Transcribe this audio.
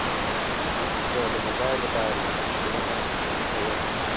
زه د موبایل له لارې انځورونه ایډیټ کوم.